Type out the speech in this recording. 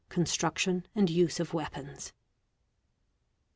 CONSTRUCTION AND USE OF WEAPONS.